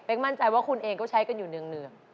มั่นใจว่าคุณเองก็ใช้กันอยู่เนื่อง